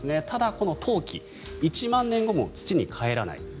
ただこの陶器、１万年後も土にかえらない。